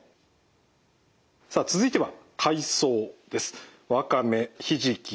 さあ続いては海藻です。